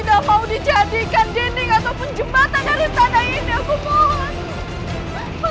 tidak mau dijadikan dinding ataupun jembatan dari tanah ini aku mohon